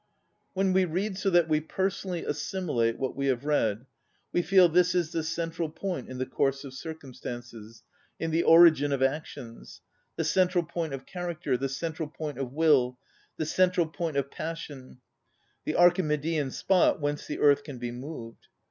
When we read so that we person ally assimilate what we have read, we feel this is the central point in the course of circumstances, in the origin of actions, the central point of character, the central point of will, the central point of passion, the Archimedean spot whence the earth can be moved.